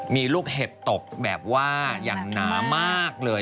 มีลูกเห็บตกแบบว่าอย่างหนามากเลย